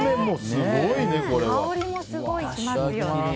香りもすごい来ますよね。